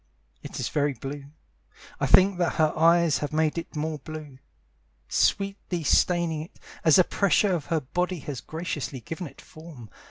It is very blue I think that her eyes have made it more blue, Sweetly staining it As the pressure of her body has graciously given it form.